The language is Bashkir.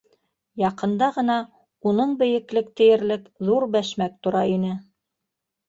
Яҡында ғына уның бейеклек тиерлек ҙур бәшмәк тора ине.